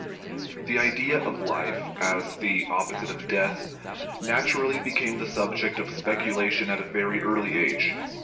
The idea of life, as the opposite of death, naturally became the subject of speculation at a very early age.